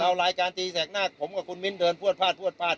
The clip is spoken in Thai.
เอารายการตีแสกหน้าผมกับคุณมิ้นเดินพวดฟาดพวดฟาด